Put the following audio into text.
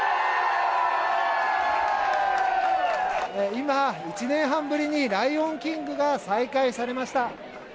今、１年半ぶりにライオンキングが再開されました。